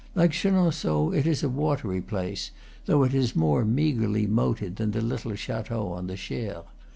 Like Chenonceaux, it is a watery place, though it is more meagrely moated than the little chateau on the Cher.